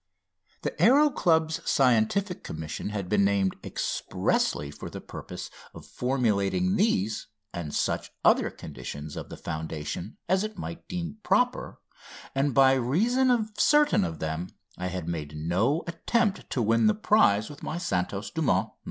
The Aéro Club's Scientific Commission had been named expressly for the purpose of formulating these and such other conditions of the foundation as it might deem proper, and by reason of certain of them I had made no attempt to win the prize with my "Santos Dumont, No.